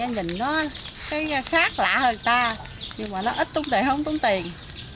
nhìn nó khác lạ hơn ta nhưng mà nó ít tung tình không tung tình